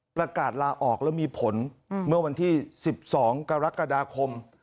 ประกาศลาออกแล้วมีผลเมื่อวันที่๑๒กรกฎาคม